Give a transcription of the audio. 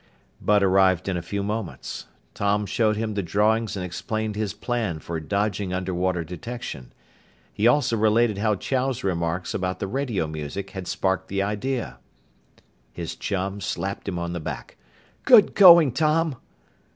Bud arrived in a few moments. Tom showed him the drawings and explained his plan for dodging underwater detection. He also related how Chow's remarks about the radio music had sparked the idea. His chum slapped him on the back. "Good going, Tom!"